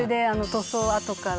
塗装をあとから。